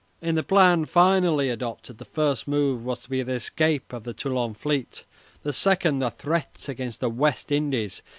In the plan finally adopted the first move was to be the escape of the Toulon fleet; the second, the threat against the West Indies.